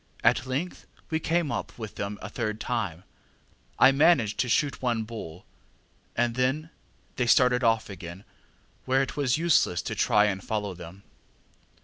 At length we came up with them a third time, and I managed to shoot one bull, and then they started off again, where it was useless to try and follow them.